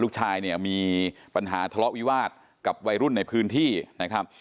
ลูกชายเนี่ยมีปัญหาทะเลาะวิวาสกับวัยรุ่นในพื้นที่นะครับ